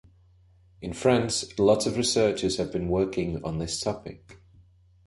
In France a lot of researchers have been working on this topic.